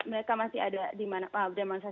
mereka masih ada di mana mana